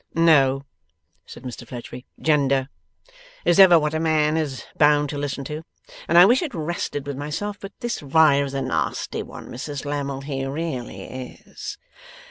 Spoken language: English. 'No,' said Mr Fledgeby, 'Gender is ever what a man is bound to listen to, and I wish it rested with myself. But this Riah is a nasty one, Mrs Lammle; he really is.